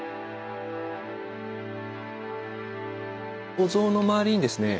お像の周りにですね